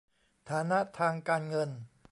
ฐานะทางการเงิน